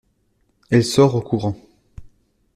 Elle sort en courant.